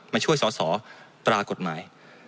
มาช่วยสอสอตรากฎหมาย